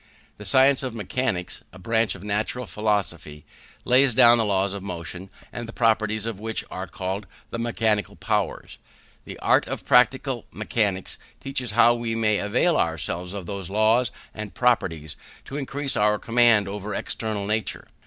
The science of mechanics, a branch of natural philosophy, lays down the laws of motion, and the properties of what are called the mechanical powers. The art of practical mechanics teaches how we may avail ourselves of those laws and properties, to increase our command over external nature.